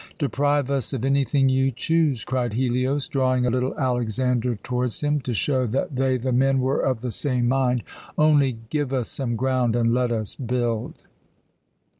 "Deprive us of anything you choose!" cried Helios, drawing little Alexander towards him, to show that they, the men, were of the same mind, "only give us some ground and let us build."